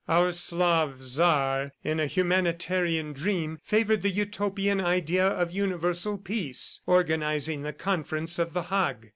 Our Slav Czar, in a humanitarian dream, favored the Utopian idea of universal peace, organizing the Conference of The Hague.